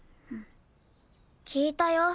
聞いたよ。